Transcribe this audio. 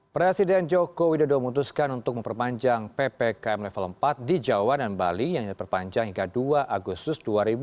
presiden joko widodo memutuskan untuk memperpanjang ppkm level empat di jawa dan bali yang diperpanjang hingga dua agustus dua ribu dua puluh